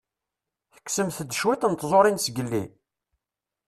Tekksemt-d cwiṭ n tẓuṛin zgelli?